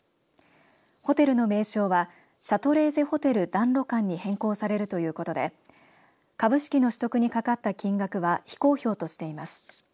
ホテルの名称はシャトレーゼホテル談露館に変更されるということで株式の取得にかかった金額は非公表としています。